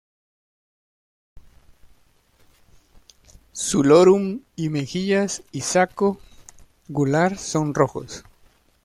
Su lorum y mejillas y saco gular son rojos.